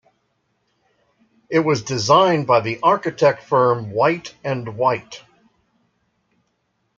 It was designed by the architect firm Wight and Wight.